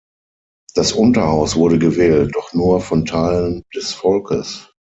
Das Unterhaus wurde gewählt, doch nur von Teilen des Volkes.